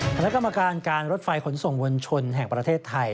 คณะกรรมการการรถไฟขนส่งมวลชนแห่งประเทศไทย